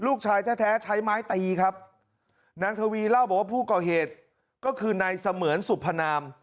ลูกชายแท้แท้ใช้ไม้ตีครับนางทวีเล่าบอกว่าผู้ก่อเหตุก็คือนายเสมือนสุพนาม